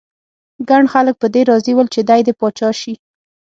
ګڼ خلک په دې راضي ول چې دی دې پاچا شي.